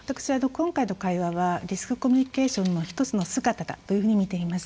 今回の対話はリスクコミュニケーションの一つの姿だというふうに見ています。